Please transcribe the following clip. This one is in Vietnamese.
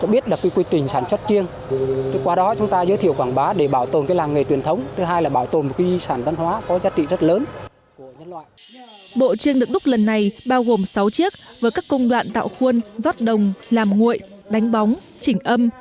bộ chiêng được đúc lần này bao gồm sáu chiếc với các công đoạn tạo khuôn rót đồng làm nguội đánh bóng chỉnh âm